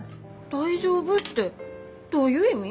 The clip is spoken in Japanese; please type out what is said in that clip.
大丈夫ってどういう意味？